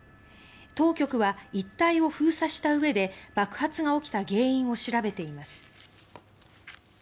当局は一帯を封鎖したうえで爆発が起きた原因を調べています。